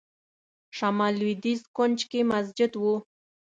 شمال لوېدیځ کونج کې مسجد و.